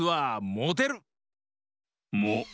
モ？